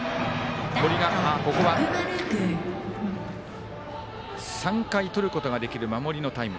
ここは３回、取ることができる守りのタイム。